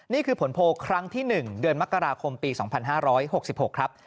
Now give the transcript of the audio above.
นี่คือผลโพลครั้งที่๑เดือนมกราคมปี๒๕๖๖ครับ